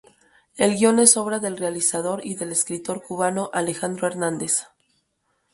El guion es obra del realizador y del escritor cubano Alejandro Hernández.